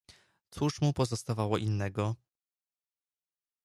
"Cóż mu pozostawało innego?"